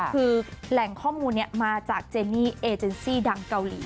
คือแหล่งข้อมูลนี้มาจากเจนี่เอเจนซี่ดังเกาหลี